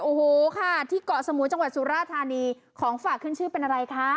โอ้โหค่ะที่เกาะสมุยจังหวัดสุราธานีของฝากขึ้นชื่อเป็นอะไรคะ